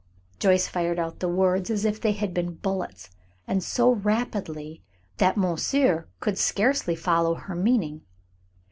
Joyce fired out the words as if they had been bullets, and so rapidly that monsieur could scarcely follow her meaning.